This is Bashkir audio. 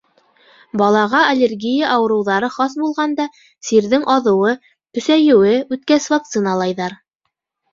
Балаға аллергия ауырыуҙары хас булғанда, сирҙең аҙыуы, көсәйеүе үткәс вакциналайҙар.